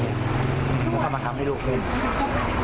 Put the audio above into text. แล้วทำมาทำให้ลูกดี